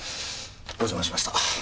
お邪魔しました。